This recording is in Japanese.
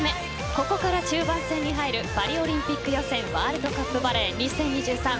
ここから中盤戦に入るパリオリンピック予選ワールドカップバレー２０２３。